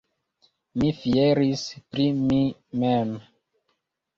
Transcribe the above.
Mi fieris pri mi mem!